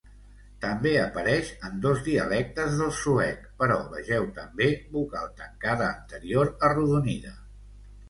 També apareix en dos dialectes del suec, però vegeu també Vocal tancada anterior arrodonida.